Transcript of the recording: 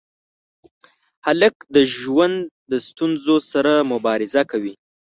هلک د ژوند ستونزو سره مبارزه کوي.